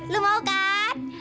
lu mau kan